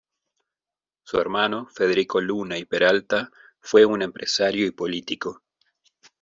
Su hermano, Federico Luna y Peralta, fue un empresario y político.